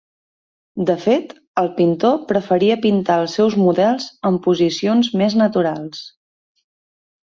De fet, el pintor preferia pintar els seus models en posicions més naturals.